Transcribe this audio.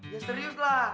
ya serius lah